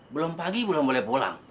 belum pagi belum boleh pulang